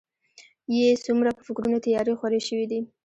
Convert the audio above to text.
يې څومره په فکرونو تيارې خورې شوي دي.